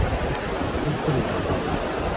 Templo de San Pablo.